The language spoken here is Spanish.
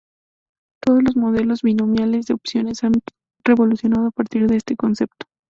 Todos los modelos binomiales de opciones han evolucionado a partir de este concepto.